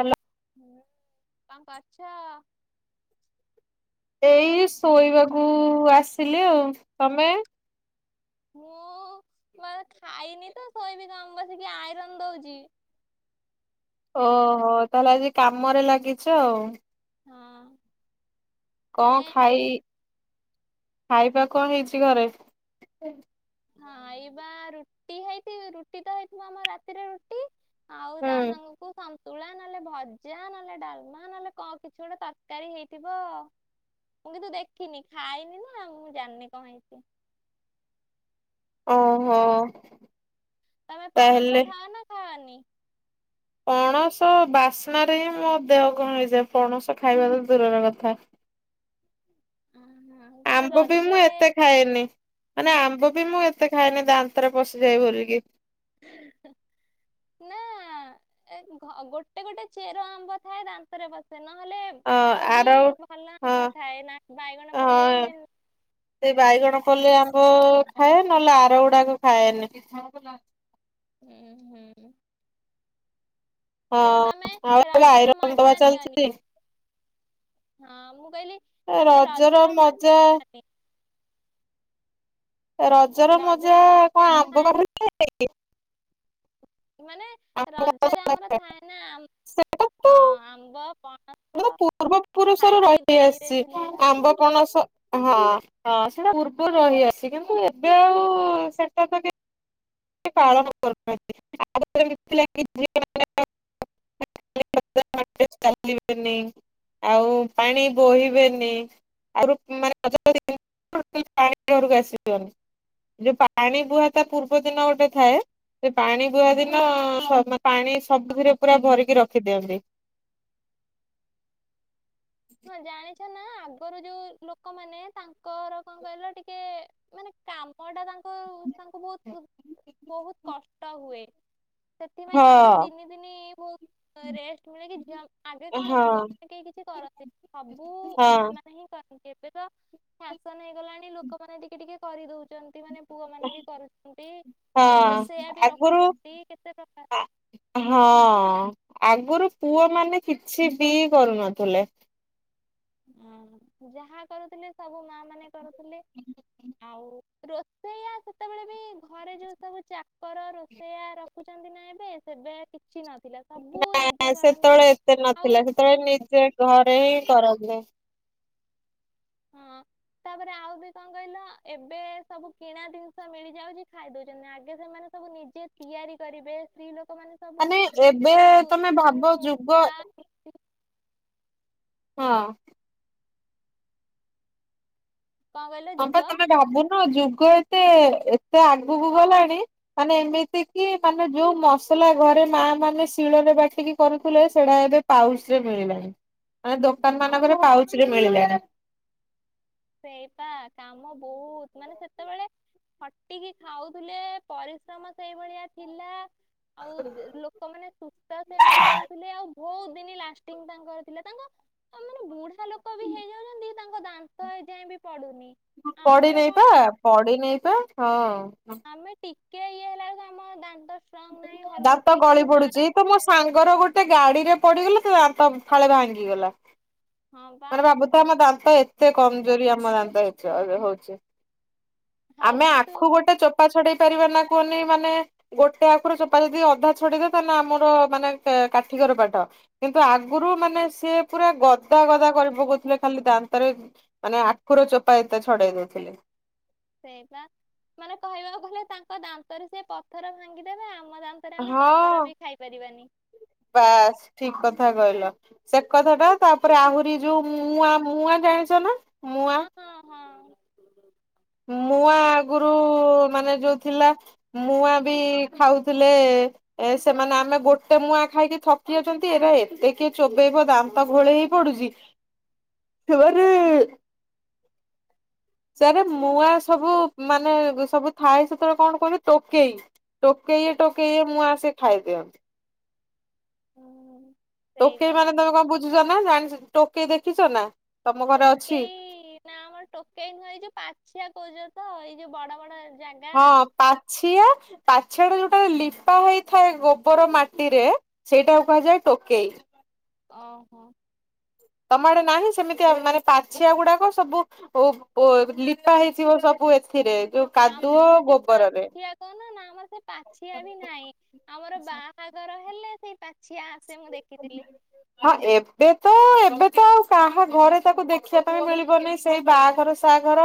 ହେଲ କଣ କରୁଛ ଏଇ ଶୋଇବାକୁ ଆସିଲି ଆଉ ତମେ ମୁଁ ମ ଖାଇନି ତ ଶୋଇବି କ ବସିକି ଆଇରନ ଦଉଛି ଓହୋ ତାହେଲେ ଆଜି କାମରେ ଲାଗିଛ ଆଉ ହଁ କଣ ମାନେ ଖାଇ ଖାଇବା କଣ ହେଇଛି ଘରେ ଖାଇବା ରୁଟି ହେଇ ରୁଟି ତ ହେଇଥିବ ଆମ ରାତିରେ ରୁଟି ଆଉ ତା ହୁଁ ସାଙ୍ଗ କୁ ଶନ୍ତୁ ସନ୍ତୁଳା ନହେଲେ ଭଜା ନହେଲେ ଡାଲମା ନହେଲେ କଣ କିଛି ଗୋଟେ ତରକାରୀ ହେଇଥିବ ମୁଁ କିନ୍ତୁ ଦେଖିନି ଖାଇନି ନା ମୁଁ ଜାଣିନି କଣ ହେଇଛି ଓ ହୋ ତମେ ପଣସ ଖାଅ ନା ଖାଅନି ପଣସ ବାସ୍ନାରେ ହିଁ ମୋ ଦେହ କଣ ହେଇଯାଏ ପଣସ ଖାଇବା ତ ଦୂରର କଥା ଅ ହଁ ତାହେଲେ ଆମ୍ବ ବି ମୁଁ ରଜରେ ଏତେ ଖଏନି ମାନେ ଆମ୍ବ ବି ମୁଁ ଏତେ ଖାଇନି ଦାନ୍ତରେ ପଶିଯାଇ ବୋଲିକି ନା ଏ ଭଅ ଗୋଟେ ଗୋଟେ ଚେର ଆମ୍ବ ଥାଏ ଦାନ୍ତରେ ପସେନ ନହେଲେ ଅ ଆଉ ବି ଆର ଭଲ ହଁ ଆମ୍ବ ଥାଏ ନା ବାଇଗଣ ପଲେଇ ହଁ ଯେମ ସେ ବାଇଗଣ ପଲେଇ ଆମ୍ୱ ଖାଏ ନହେଲେ ଆର ଗୁଡାକ ଖାଏନି ହୁଁ ହୁଁ ହଁ କିନ୍ତୁ ତମେ ଆଉ [inaudible] ହେ ରଜର ଆଇରନ୍ ଦବା ମଜା ନିଅନି ଚାଲିଛି ହଁ ମୁଁ କହଲିି ତମେ ରଜର ମଜା ନିଅନି ରଜର ମଜା ମଜା କଣ ଆମ୍ବ ଥାଏ [unintelligible] ଥାଏ କି ମାନେ ରଜରେ ଆମର ଥାଏ ନା ଆମ୍ ସେଟା ତ ହଁ ଆମ୍ବ ପଣସ [unintelligible] ପୂର୍ବ ପୁରୁଷର ଖାଇକି ରହି ଦୋଳିରେ ଆସିଛି ଝୁଲିବା ଆମ୍ବ ପଣସ ହଁ ହଁ ସେଟା ପୂର୍ବରୁ ରହିଆସି କିନ୍ତୁ ଏବେ ଆଉ ସେଟା ତ କେ [inaudible] ପାଳନ [inaudible] [inaudible] [unintelligible] ଚାଲିବେନି ଆଉ ପାଣି ବୋହିବେନି ଆରୋ ମାନେ [unintelligible] ପାଣି ଘରକୁ [unintelligible] ଆସିଯିବନି ଯୋଉ ପାଣି ବୁହା ତା ପୂର୍ବ ଦିନ ଗୋଟେ ଥାଏ ସେ ପାଣି ବୁହା ଦିନ ସମ ପାଣି ସବୁଥିରେ ପୁରା ଭରିକି ରଖିଦିଅନ୍ତି ହଁ ଜାଣିଛ ନା ଆଗରୁ ଯୋଉ ଲୋକମାନେ ତାଙ୍କର କଣ କହିଲ ଟିକେ ମାନେ କାମ ଟା ତାଙ୍କ ଙ୍କୁ ତାଙ୍କୁ ବହୁତ ପୁତ୍ ବହୁତ କଷ୍ଟ ହୁଏ ସେଥିପାଇଁ ହଁ ତାଙ୍କୁ ଏ ତିନି ଦିନି ବହୁତ ରେଷ୍ଟ ତୁମରି କି ଝିଅ ଆଗେ କଣ ହଁ ପୁଅ କେହି କିଛି କରନ୍ତି ସବୁ ହଁ ମା ମାନେ ହିଁ କରନ୍ତି ଏବେ ତ ଶାସନ ହେଇଗଲାଣି ଲୋକମାନେ ଟିକେ ଟିକେ କରିଦଉଛନ୍ତି ମାନେ ପୁଅ ମାନେ ବି କରୁଛନ୍ତି ଆଉ ହଁ ରୋଷେଇଆ ବି ଆଗରୁ ରଖୁଛନ୍ତି କେତେ ପ୍ରକାର ହଁ ଆଗରୁ ପୁଅ ମାନେ କିଛି ବି କରୁନଥିଲେ ହଁ ଯାହା କରୁଥିଲି ସବୁ ମା ମାନେ କରୁଥିଲେ ଆଉ ରୋଷେଇଆ ସେତେବେଳେ ବି ଘରେ ଯୋଉ ସବୁ ଚାକର ରୋଷେଇଆ ରଖୁଛନ୍ତି ନା ଏବେ ସେବେ କିଛି ନଥିଲା ସବୁ ନା ଆ ନିଜେ କରନ୍ତି ସେତେବେଳେ ଏତେ ଆଉ ନଥିଲା ସେତେବେଳେ ନିଜେ ଘରେ ହିଁ କରନ୍ତି [inaudible] ହଁ। ତାପରେ ଆଉ ବି କଣ କହିଲ ଏବେ ସବୁ କିଣା ଜିନିଷ ମିଳିଯାଉଚି ଖାଇ ଦଉଚନ୍ତି ଆଗେ ସେମାନେ ତ କୁ ନିଜେ ତିଆରି କରିବେ ସ୍ତ୍ରୀ ଲୋକ ଲୋକମାନେ ସବୁ ମାନେ ଏବେ ତମେ ଉ ଧାନ ଭାବ ଯୁଗ ଉଷା [unintelligible] ହଁ। କ କହିଲ ପା ଯୁଗ? ତମେ ଭାବୁନ ହଁ ଯୁଗ ଏତେ ଏତେ ଆଗକୁ ଗଲାଣି ମାନେ ଏମିତି କି ମାନେ ଯୋଉ ମସ୍ ଲା ଘରେ ମା ମାନେ ଶିଳରେ ବାଟିକି କରୁଥିଲେ ସେଟା ଏବେ ପାଉସ ରେ ମିଳିଲାଣି। ମାନେ ଦୋକାନ ହଁ ମାନଙ୍କର ପାଉଚରେ ମିଳିଲାଣି। ସେଇପା କାମ ବହୁତ ମାନେ ସେତେବେଳେ ଖଟିକି ଖାଉଥିଲେ ପରିଶ୍ରମ ସେଇଭଳିଆ ଥିଲା। ଆଉ ଦ ଲୋକମାନୋନେ ସୁସ୍ଥ ସେମିତି ରହୁଥିଲେ ଆଉ। ବହୁତ ଦିନ ଲାଷ୍ଟିଙ୍ଗ ତାଙ୍କର ଥିଲା ତାଙ୍କ ତମାନେ ବୁଢା ଲୋକ ବି ହେଇଯାଉଚନ୍ତି ତାଙ୍କ ଦାନ୍ ତ ଏ ଯାଇଁ ବି ପଡୁନି। ପଡି ନେଇଥ କଣ ଆ- ପଢି ନେଇେଥ ହଁ। ଆମେ ଟିକେ ଇଏ ହେଲା ବେଳକୁ ଆମ ଦାନ୍ତ ଷ୍ଟ୍ରଙ୍ଗ ନାହିଁ ଦାନ୍ତ ହଲୁଛି ଗଳି କୋଉଠି ପଡୁଚି ମାଡ ତମୋ ସାଙ୍ଗର ଗୋଟେ ଗାଡିରେ ପଡିଗଲେ ଟା ଦାନ୍ତ ଫାଳେ ଭାଙ୍ଗିଗଲା। ହଁ ବା ମାନେ ଭାବୁଥା ମୋ ଦା ତ ଏତେ କମଜୋରି ଆମ ଦାନ୍ତ ହେଇଥିବା ଏବେ ହଉଚି। ହଉ ଆମେ କିନ୍ତୁ ଆଖୁ ଗୋଟେ ଚୋପା ଛଡେଇ କରିପାରୁନା କୁହନି ମାନେ ଗୋଟେ ଆଖରୁ ଚୋପା ଯଦି ଅଧା ଛଡିଇ ଦବୁ ତାହେଲେ ଆମର ମାନେ କା କାଠ କର ପାଠ। କିନ୍ତୁ ଆଗରୁ ମାନେ ସିଏ ପୁରା ଗଦା ଗଦା କରି ପକଉଥିଲେ ଖାଲି ଦାନ୍ତରେ ମାନେ ଆଖୁର ଚୋପା ଏତେ ଛଡେଇ ଦଉଥିଲେ। ସେଇପା ମାନେ କହିବାକୁ ଗଲେ ତାଙ୍କ ଦାନ୍ତରେ ସେ ପଥର ଭାଙ୍ଗିଦବେ ଆ ହଁ ବାସ୍ ଠିକ କଥା କହିଲ। ସେ କଥା ଟା ତାପରେ ଆହୁରି ଯୋଉ ମୁଆଁ ମୁୂଆଁ ଜାଣିଚ ନା? ମୁଆଁ ହଁ ହଁ ହଁ। ମୁଆଁ ଆଗରୁ ମାନେ ଯଉ ଥିଲା ମୁଆଁ ବି ଖାଉଥିଲେ ସେମାନେ ଆମେ ଗୋଟେ ମୁଆ ଖାଇକି ଥକି ଯାଉଚନ୍ତି ଏରା ଏତେ କିଏ ଚୋବେେଇବ ଦାନ୍ତ ଘୋଳେଇ ଗଳି ପଡୁଛି। ସେମାନେ ସେନେ ନୂଆ ସବୁ ମାନେ ସବୁ ଥାଏ ସେତେବେଳେ କଣ କହିଲ ଟୋକେଇ। ଟୋକେଇଏ ଟୋକେଇଏ ମୁଁଆଁ ସିଏ ଖାଇଦିଅନ୍ତି। ହୁଁ। ସେଇ ଟୋକେଇ ବା ମାନେ ତମେ କଣ ବୁଝୁଚ ନା ଜାଣିଚ ଟୋକେଇ ଦେଖିଚ ନା? ତମ ଘରେ ଅଛି? ଟୋକେଇ ନା ଆମର ଟୋକେଇ ନୁହଁ ଏଇ ଯଉ ପାଛିଆ କହୁଚ ତ? ଏଯୋଉ ବଡ ବଡ ଜାଗା। ହଁ ପାଛିଆ। ପାଛିଆ ଯଉଟା ଲିପା ହେଇଥାଏ ଗୋବର ମାଟିରେ ସେଇଟା କୁହାଯାଏ ଟୋକେଇ। ଓଁ ହୋ। ତମ ଆଡେ ନାହିଁ ସେମିତିଆ ମାନେ ପାଛିଆ ଗୁଡାକ ସବୁ ଓ ଅ ଲିପା ହେଇଥିବ ସବୁ ବୁ ଏଥିରେ ଯୋଉ କାଦୁ ଆମର ଯୋଉ ପାଛିଆ କହୂନ ନା ଆମର ସେ ପାଛିଆ ବି ନାହିଁ, ଆମର ବାହାଘର ହେଲେ ସେଇ ପା ହଁ ଏବେ ତ ଏବେ ତ ଆଉ [inaudible] କାହା ଘରେ ତାକୁ ଦେଖିବା ପାଇଁ ମିଳିବନି ସେଇ ବାହାଘର ସାହାଘର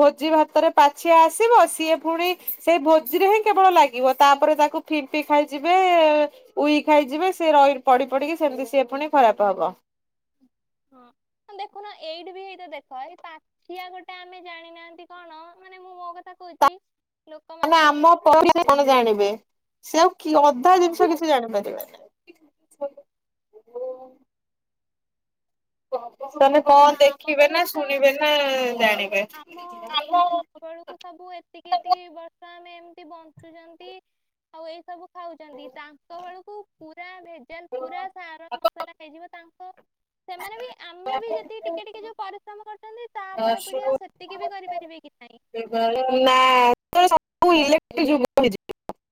ଭୋଜି ଭାତରେ ପାଛିଆ ଆସିବ ସିଏ ପୁଣି ସେଇ ଭୋଜିରେ ହିଁ କେବଳ ଲାଗିବ, ତାପରେ ତାକୁ ଫିମ୍ପି ଖାଇଯିବେ ଉଇ ଖାଇଯିବେ ସେ ରହି ପଡି ପଡିକି ସେମତି ସି ପୁଣି ଖରାପ ହବ। ହଁ। ହ ଦେଖୁନ ଏଇଠି ବି ଏଇତ ଦେଖ ଏଇ ପାଛିଆ ଗୋଟେ ଆମେ ଜାଣିନାହାନ୍ତି କଣ ମାନେ ମୁଁ ମୋ କଥା କହୁଚି। ମାନେ ଆମ [inaudible] କଣ ଜାଣିବେ? ସେ ଆଉ କି ଅଧା ହଁ ଜିନିଷ କିଛି ଜାଣିପାରିବେନି। [unintelligible] ତମେ ଯୁଗ କନ୍ ଆମ ଦେଖିବେ ନା ବେଳକୁ ତ ଶୁଣିବେ ନା ଜାଣିବେ। ଆମ ଆମ ବେଳକୁ ସବୁ ଏତିକି ଏତିକି ବର୍ଷା ଆମେ ଏମିତି ବଞ୍ଚୁଛନ୍ତି ଆଉ ଏଇ ସବୁ ଖାଉଛନ୍ତି। ତାଙ୍କ ବେଳକୁ ପୁରା ଭେଜାଲ ପୁରା ସାର ମସଲା ଖାଇଯିବ। ତାଙ୍କ ସେମାନେ ବି ଆମେ ବି ଯେତିକି ଟିକେ ଟିକେ ଯୋଉ ପରିଶ୍ରମ କରୁ ତା ପର ପିଢି ଆଉ ସେତିକି ବି କରିପାରିବେ କି ନାହିଁ। [inaudible] ସବୁ ଇଲେଟରି ଯୁଗ ହେଇଯିବ।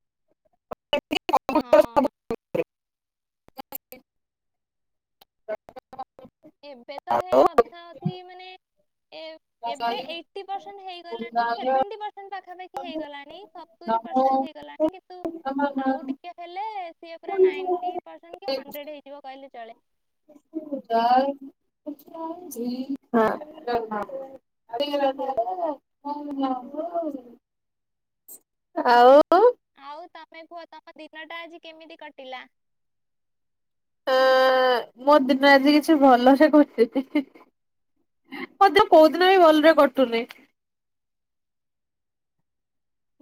ହଁ [unintelligible] [inaudible] ଏବେ ତ ହେ ଅଧା ଅଧି ମାନେ ଆଉ ଏବେ ଏଇଟି୍ ପରସେଣ୍ଟ ହେଇଗଲାଣି ସେଭେଣ୍ଟି ପରସେଣ୍ଟ ପାଖାପାଖି ହେଇଗଲାଣି ସବୁ। [inaudible] ହେଇଗଲାଣି କିନ୍ତୁ ଆଉ ଟିକେ ହେଲେ ସିଏ ପୁରା ନାଇଣ୍ଟି ପେରସେନ କି ହଣ୍ଡରେଡ ହେଇଯିବ କହିଲେ ଚଳେ। ଯାଏ। ଜି ହଁ ଚଳେ। [inaudible] ଆଉ ଆଉ ତମେ କୁହ ତମ ଦିନ ଟା ଆଜି କେମିତି କଟିଲା? ଆ ମୋ ଦିନ ଆଜି କିଛି ଭଲ ସେ କାଟିନି। ମୋର କୋଉ ଦିନ ବି ଭଲରେ କଟୁନି।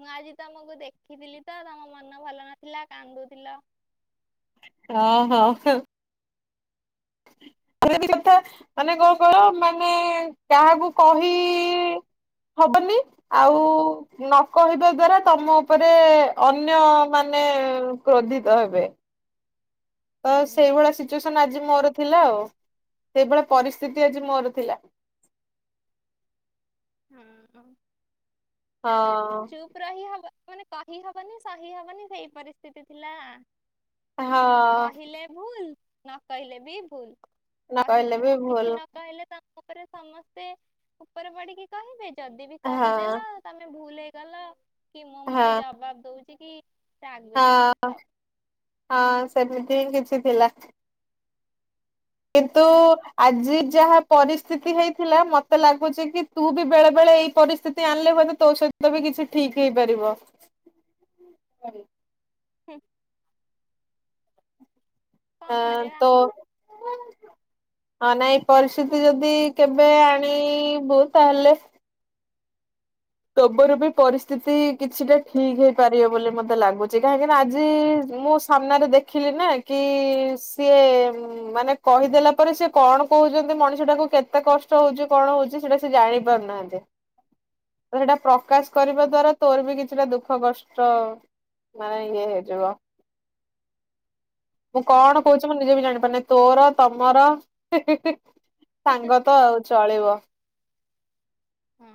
ମୁଁ ଆଜି ତମକୁ ଦେଖିଥିଲି ତ ତମ ମନ ଭଲ ନଥିଲା କାନ୍ଦୁଥିଲ। ଓ ହୋ। କଥା ମାନେ କଣ କର ମାନେ କାହାକୁ କହି ହବନି ଆଉ ନ କହିବା ଦ୍ଵାରା ତମ ଉପରେ ଅନ୍ୟ ମାନେ ମାନେ କ୍ରୋଧିତ ହେବେ। ତ ହୁଁ ସେଇଭଳିଆ ସିଚୁଏସନ ଆଜି ମୋର ଥିଲା ଆଉ ସେଇଭଳିଆ ପରିସ୍ଥିତି ଆଜି ମୋର ଥିଲା। ହଁ ହଁ ଚୁପ ରହି ହବ ମାନେ କହିହବନି ସହି ହବନି ସେଇ ପରିସ୍ଥିତି ଥିଲା। ହଁ। ନକହିଲେ ବି ଭୁଲ କହି କହିଲେ ବି ନ କିଛି ଭୁଲ ନ କହିଲେ ତାପରେ ସମସ୍ତେ ଉପରେ ପଡିକି କହିବେ ଯଦି ବି ହଁ କହିଦେଲ ତମେ ଭୁଲ ହେଇଗଲ କି ମୋ ମୁହଁରେ ହଁ ଜବାବ ଦଉଛି କି ରାଗୁଛି ହଁ ସବୁ ହଁ ସେମିତି ହିଁ କିଛି ଥିଲା। କିନ୍ତୁ ଆଜି ଯାହା ପରିସ୍ଥିତି ହେଇଥିଲା ମତେ ଲାଗୁଛି କି ତୁ ବି ବେଳେ ବେଳେ ଏଇ ପରିସ୍ଥିତି ଆଣିଲେ ହୁଏତ ତୋ ସହିତ ବି କିଛି ଠିକ ହେଇପାରିବ। ହୁଁ। ଆ କଣ କରିବା ତ [inaudible] ହଁ ନାଇଁ ପରିସ୍ଥିତି ଯଦି କେବେ ଆଣିବୁ ତାହେଲେ ତବରୁ ବି ପରିସ୍ଥିତି କିଛିଟା ଠିକ ହେଇପାରିବ ବୋଲି ମତେ ଲାଗୁଛି କାହିଁକିନା ଆଜି ମୁଁ ସାମ୍ନାରେ ଦେଖିଲି ନା କି ସିଏ ମାନେ କହିଦେଲା ପରେ ସିଏ କଣ କହୁଛନ୍ତି ମଣିଷଟାକୁ କେତେ କଷ୍ଟ ହଉଛି କଣ ହଉଛି ସେଇଟା ସେ ଜାଣି ପାରୁନାହାନ୍ତି। [inaudible] ସେଇଟା ପ୍ରକାଶ କରିବା ଦ୍ଵାରା ତୋର ବି କିଛିଟା ଦୁଃଖ କଷ୍ଟ ମାନେ ଇ ହେଇଯିବ। ମୁଁ ହଁ କଣ କହୁଛି ମୁଁ ନିଜେ ବି ଜାଣିପାରୁନି ତୋର ତମର ସାଙ୍ଗ ତ ଆଉ ଚଳିବ। ହଁ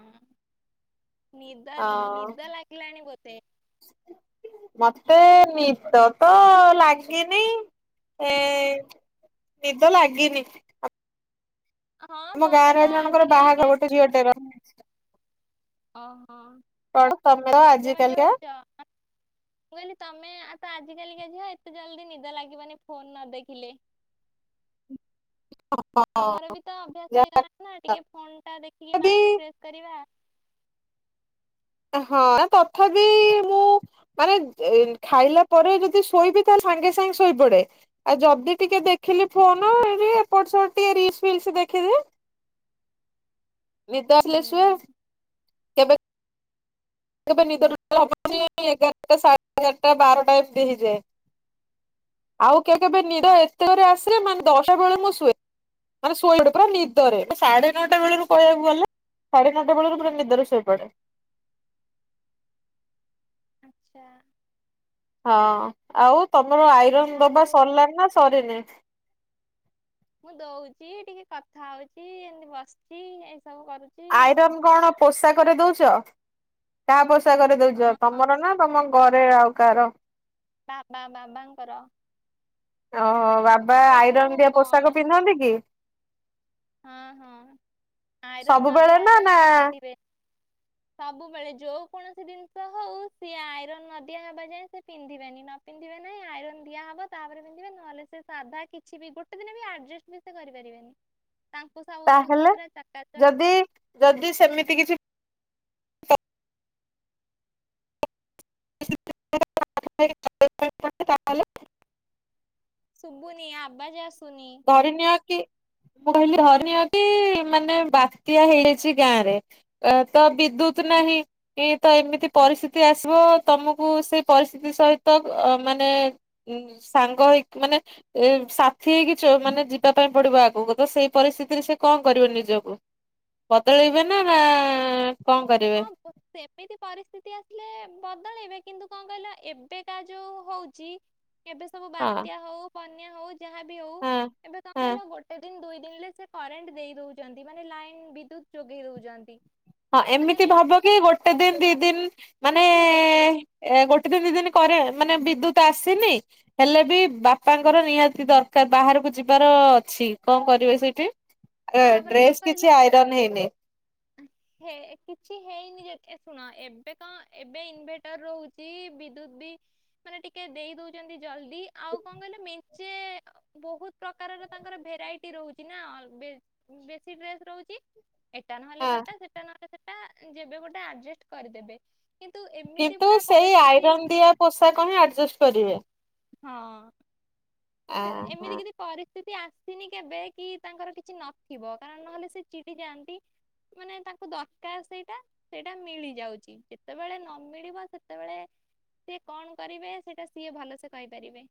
ନିଦ ହଁ। ନିଦ ଲାଗିଲାଣି ମୋତେ ମତେ ନିଦ ତ ଲାଗିନି। ଏ ନିଦ ଲାଗିନି। ହଁ ଆମ ତମେ ଗାଁରେ ତ ଜଣଙ୍କର ବାହାଘର ଆଜିକାଲିକା ଗୋଟେ ଝିଅଟେର। ଓହୋ। କଣ ତମେ ତ ସଜ ବାଜ ଆଜିକାଲିିକା ହଉଛ ମୁଁ କହିଲି ତମେ ଆଉ ତ ଆଜିକାଲିକା ଝିଅ ଏତେ ଜଲଦି ନିଦ ଲାଗିବନି ଫୋନ ନ ଦେଖିଲେ। [inaudible] [inaudible] ଆମର ବି ତ ଅଭ୍ୟାସ କାଲିକା ହେଇଗଲାଣି ନା ଟିକେ ଫୋନ ଟା ଦେଖିକି ମାଇଣ୍ଡ ଫ୍ରେଶ୍ କରିବା। ହଁ ତଥାପି ମୁଁ ମାନେ ଖାଇଲା ପରେ ଯଦି ଶୋଇବି ତାହେଲେ ସାଙ୍ଗେ ସାଙ୍ଗେ ଶୋଇପଡେ। ଆଉ ଯଦି ଟିକେ ଦେଖିଲି ଫୋନ ଏପଟ ସେପଟ ଟିକେ ରିଲସ୍ ଫିଲ୍ସ ଦେଖିଦିଏ [inaudible] ନିଦ ଆସିଲେ ଶୁଏ। ହୁଁ କେବେ କେବେ ନିଦ ଟୋଟାଲି ହବନି ଏଗାରଟା ସାଢେ ଏଗାରଟା ବାରଟା ଏମତି ହେଇଯାଏ। ଆଉ କେବେ କେବେ ନିଦ ଏତେ ଜୋରେ ଆସିଲେ ମାନେ ଦଶଟା ବେଳୁ ମୁଁ ଶୁଏ। ମାନେ ଶୋଇପଡେ ପୁରା ନିଦରେ ସାଢେ ନଅଟା ବେଳରୁ କହିବାକୁ ଗଲେ ସାଢେ ନଅଟା ବେଳରୁ ପୁରା ନିଦରେ ଶୋଇପଡେ। ଆଚ୍ଛା। ହଁ ଆଉ ତମର ଆଇରନ୍ ଯାହା ଦବା ହଉ ସରିଲାଣି ନା ସରିନି? ମୁଁ ଦଉଛି ଟିକେ କଥା ହଉଛି। ଏମତି ବସିଛି। ସବୁ କରୁଛି ଆଇରନ୍ କଣ ପୋଷାକରେ ଦଉଛ ତାହା କରି ହଁ ଦଉଛ ହଁ ତମର ନା ତମ ଘରେ ଆଉ କାହାର? ବା ବା ବାବା ମାମା ଙ୍କର। ହଁ ବାବା ଆଇରନ୍ ଦିଆ ପୋଷାକ ଗରମ ପିନ୍ଧନ୍ତି କି? ହଁ ହଁ ଆଇରନ୍ ନ ସବୁବେଳେ ନା ଦିଆହଲେ ନା ସେ ପିନ୍ଧିବେନି। ସବୁବେଳେ ଯୋଉ କୌଣସି ଜିନିଷ ହଉ ସିଏ ଆଇରନ ନ ଦିଆ ହବା ଯାଏଁ ସେ ପିନ୍ଧିବେନି ନ ପିନ୍ଧି ନାଇଁ ଆଇରନ୍ ଦିଆ ହବ ତାପରେ ପିନ୍ଧିବେ ନହେଲେ ସେ ସାଧା କିଛି ବି ଗୋଟେ ଦିନ ବି ଆଡଯଷ୍ଟେ ବି ସେ କରିପାରିବେନି। ତାଙ୍କୁ ସବୁ ଜିନିଷ ତାହେଲେ ପୁରା ଚକାଚକ ଯଦି ଯଦି ସେମିତି କିଛି ତାହଲେ [unintelligible] ସୁୁବୁନି ଆବଜ୍ ଆସୁନି? ଧରି ନିଅ କି ମୁଁ କହିଲି ଘରେ ଧ କଣ କି ମାନେ ବାତ୍ୟା ହେଇଯାଇଛି ଗାଁରେ ତ ବିଦ୍ୟୁତ ନାହିଁ। ତ ଏମିତି ପରିସ୍ଥିତି ଆସିବ ତମକୁ ସେ ପରିସ୍ଥିତି ସହିତ ମାନେ ଉଁ ସାଙ୍ଗ ହେଇକି ମାନେ ଏ ସାଥି ହେଇକି ଚ ମାନେ ଯିବା ପାଇଁ ପଡିବ ଆଗକୁ ତ ସେଇ ପରିସ୍ଥିତିରେ ସେ କଣ କରିବ ନିଜକୁ ପ ବଦଳିବେ ନା ନା କଣ କରିବେ? ହଁ ସେମିତି ପରିସ୍ଥିତି ଆସିଲେ ବଦଳେଇବେ କିନ୍ତୁ କଣ କହିଲ ଏବେ କା ଯୋଉ ହଉଛି ଏବେ ସବୁ ହଁ ବାତ୍ୟା ହଉ। ବନ୍ୟା ହଉ ଯାହାବି ହଉ ହଁ ଏବେ କଣ ହଁ। କହିଲ ଗୋଟେ ଦିନ ଦୁଇ ଦେଲେ ସେ କରେଣ୍ଟ ଦେଇ ଦଉଛନ୍ତି ମାନେ ଲାଇନ ବିଦ୍ୟୁତ ଯୋଗେଇ ଦଉଛନ୍ତି। ହଁ ମାନେ ଏମିତି ବେ ଭାବ କି ଗୋ ଗୋଟେ ଦିନ ଦି ଦିନ ମାନେ ଏ ଗୋଟେ ଦିନ ଦି ଦିନ କରେ ମାନେ ବିଦ୍ୟୁତ ଆସିନି। ହେଲେ ବି ବାପାଙ୍କର ନିହାତି ଦରକାର ବାହାରକୁ ଯିବାର ଅଛି କଣ କରିବେ ସେଇଠି? ଆ ତାପରେ କଣ ଡ୍ରେସ୍ କହିଲ କିଛି ଆଇରନ୍ ହେଇନି ହେ କିଛି ହେଇନି ଯେ କେ ଶୁଣ ଏବେ କଣ ଏବେ ଇନଭେଟର ରହୁଚି ବିଦ୍ୟୁତ୍ ମାନେ ଟିକେ ଦେଇ ଦଉଚନ୍ତି ଜଲଦି ଆଉ କଣ କହିଲେ ମେଞ୍ଚେ ବହୁତ ପ୍ରକାରର ତାଙ୍କର ଭେରାଇଟି ରହୁଛି ନା ଅଲୱେଜ ବେଶୀ ଡ୍ରେସ ରହୁଚି ଏଟା ନହେଲେ ସେଟା ସେଟା ନହ ସେଟା ଯେବେ ଗୋଟେ ଆଡଜଷ୍ଟ କରିଦେବେ। କିନ୍ତୁ ଏମିତି କିନ୍ତୁ ପୁରା ସେଇ ପରିସ୍ଥିତି ଆଇରନ୍ ଦିଆ ପୋଷାକ ହିଁ ଆଡଜଷ୍ଟ କରିବେ ହଁ ସେ ଆହା ଏମିତି କିଛି ପରିସ୍ଥିତି ଆସିନି କେବେ କି ତାଙ୍କର କି ନଥିବ କାରଣ ନହଲେ ସେ ଚିଡି ଜାନ୍ତି। ମାନେ ତାଙ୍କୁ ଦରକାର ସେଇଟା ସେଇଟା ମିଳି ଯାଉଚି ଯେତେବେଳେ ନମିଳିବ ସେତେବେଳେ ସିଏ କଣ କରିବେ ସେଇଟା ସିଏ ଭଲସେ କହିପାରିବେ।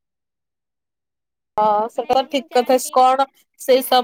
ହଁ ମାନେ ସେଟା ତ ମୁଁ ଠିକ କଥା ଜାଣିନି କଣ ସେଇ ସମୟ